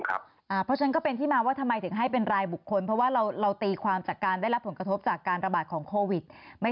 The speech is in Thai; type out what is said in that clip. เพราะฉะนั้นก็เป็นที่มาว่าทำไมถึงให้เป็นรายบุคคลเพราะว่าเราตีความจากการได้รับผลกระทบจากการระบาดของโควิด